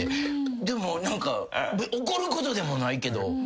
でも怒ることでもないけど。